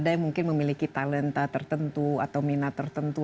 ada yang mungkin memiliki talenta tertentu atau minat tertentu